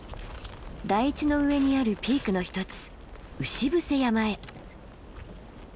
台地の上にあるピークの一つ牛伏山へ。